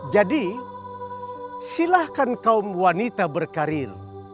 jadi silahkan kaum wanita berkaril